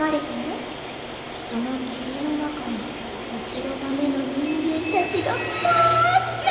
その霧の中にうつろな目の人間たちがぼうっと。